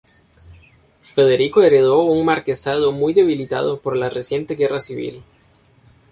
Federico heredó un marquesado muy debilitado por la reciente guerra civil.